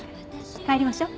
帰りましょう。